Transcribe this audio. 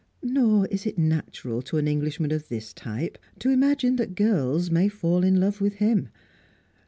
Nor is it natural to an Englishman of this type to imagine that girls may fall in love with him.